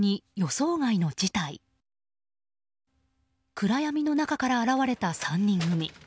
暗闇の中から現れた３人組。